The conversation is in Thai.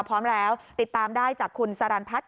พร้อมแล้วติดตามได้จากคุณสรรพัฒน